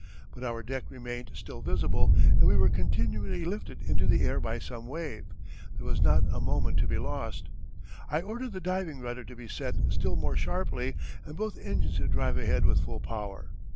But our deck remained still visible and we were continually lifted into the air by some wave. There was not a moment to be lost. I ordered the diving rudder to be set still more sharply and both engines to drive ahead with full power.